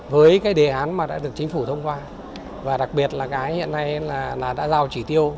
với cái đề án mà đã được chính phủ thông qua và đặc biệt là cái hiện nay là đã giao chỉ tiêu